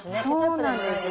そうなんですよ。